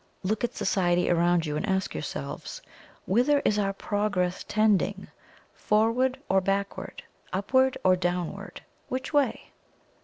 Look at society around you, and ask yourselves: Whither is our "PROGRESS" tending Forward or Backward Upward or Downward? Which way?